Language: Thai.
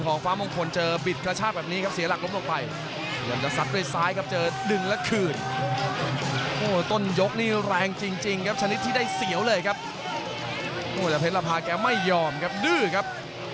โอ้โหแต่เผ็ดรัฐาแกไม่ยอมครับดื้อครับ